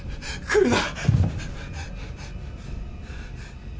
来るな。